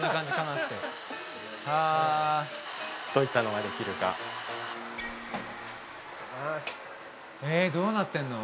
ってあどういったのができるかえどうなってんの？